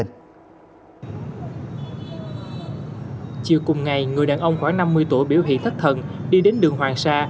chiều cùng ngày người đàn ông khoảng năm mươi tuổi biểu hiện thất thần đi đến đường hoàng sa